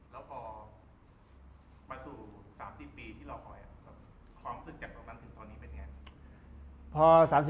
แล้วพอมาสู่๓๐ปีที่รอคอยความรู้สึกจากตอนนั้นถึงตอนนี้เป็นยังไง